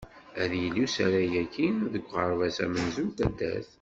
Ad yili usarag-agi deg uɣerbaz amenzu n taddart.